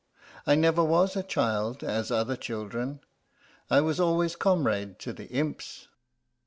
I never was a child as other children. I was always comrade to the imps."